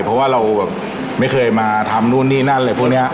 เพราะว่าเราแบบไม่เคยมาทำนู่นนี่นั่นอะไรพวกนี้